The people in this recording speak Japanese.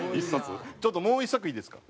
ちょっともう１作いいですか？